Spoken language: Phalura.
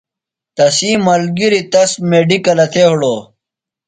تسی ملگِریۡ تس میڈِکلہ تھےۡ ہِڑوۡ۔